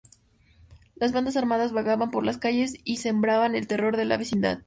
Las bandas armadas vagaban por las calles y sembraban el terror en la vecindad.